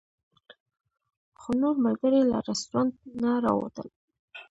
خو نور ملګري له رسټورانټ نه راووتل.